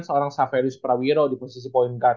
seorang saverius prawiro di posisi point guard